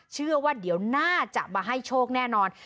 เชื่อว่าเดี๋ยวน่าจะมาให้โชคแน่นอน